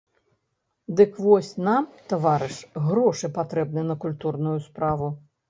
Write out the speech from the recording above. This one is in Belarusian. Дык вось нам, таварыш, грошы патрэбны на культурную справу.